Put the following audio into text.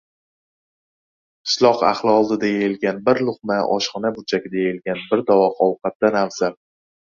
• Qishloq ahli oldida yeyilgan bir luqma oshxona burchagida yeyilgan bir tovoq ovqatdan afzal.